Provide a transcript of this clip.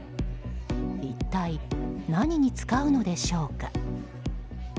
一体、何に使うのでしょうか。